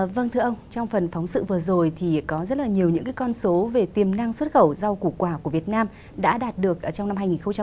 vâng thưa ông trong phần phóng sự vừa rồi thì có rất là nhiều những con số về tiềm năng xuất khẩu rau củ quả của việt nam đã đạt được trong năm hai nghìn một mươi tám